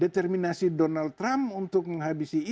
determinasi donald trump untuk menghabisi isis ini